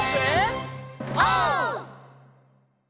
オー！